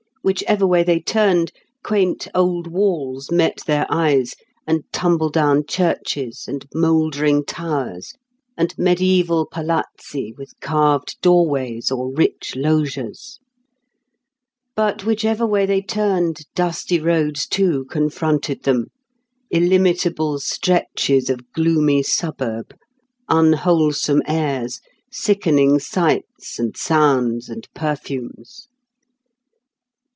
Whichever way they turned, quaint old walls met their eyes, and tumble down churches, and mouldering towers, and mediæval palazzi with carved doorways or rich loggias. But whichever way they turned, dusty roads too confronted them, illimitable stretches of gloomy suburb, unwholesome airs, sickening sights and sounds and perfumes.